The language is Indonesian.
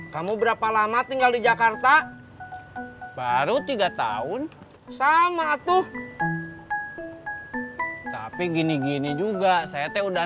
kamu berapa lama tinggal di jakarta baru tiga tahun sama tuh tapi gini gini juga saya teh udah